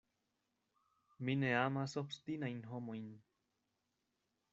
Mi ne amas obstinajn homojn.